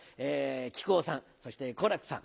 木久扇さんそして好楽さん